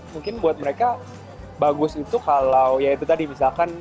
mungkin buat mereka bagus itu kalau ya itu tadi misalkan